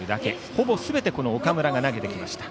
ほぼすべて、岡村が投げてきました。